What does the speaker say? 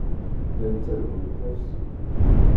Llan ttargun tafsut.